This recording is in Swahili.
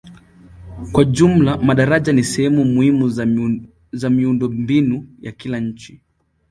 Kwa jumla madaraja ni sehemu muhimu za miundombinu ya kila nchi.